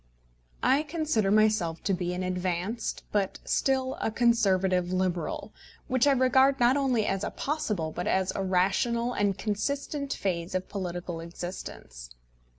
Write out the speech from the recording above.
I consider myself to be an advanced, but still a Conservative Liberal, which I regard not only as a possible but as a rational and consistent phase of political existence.